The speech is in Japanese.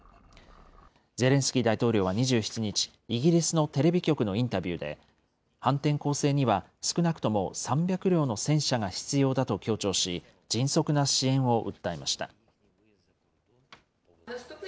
ゼレンスキー大統領は２７日、イギリスのテレビ局のインタビューで、反転攻勢には少なくとも３００両の戦車が必要だと強調し、迅速な支援を訴えました。